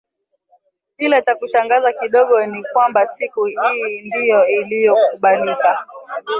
Ila chakushangaza kidogo ni kwamba siku hii ndio iliyokubalika